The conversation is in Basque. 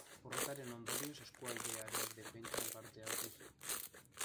Porrotaren ondorioz, eskualdearen defentsan parte hartu zuen.